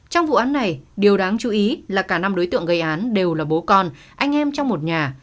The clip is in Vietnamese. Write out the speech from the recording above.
trong vụ án này điều đáng chú ý là cả năm đối tượng gây án đều là bố con anh em trong một nhà